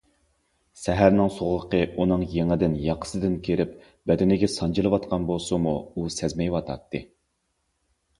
سەھەرنىڭ سوغۇقى ئۇنىڭ يېڭىدىن، ياقىسىدىن كىرىپ، بەدىنىگە سانجىلىۋاتقان بولسىمۇ، ئۇ سەزمەيتتى.